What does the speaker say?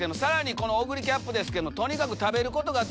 このオグリキャップですけども。